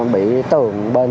bị tường bên